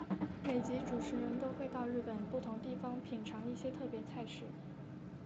每集主持人都会到日本不同地方品尝一些特别菜式。